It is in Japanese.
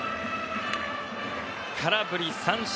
空振り三振。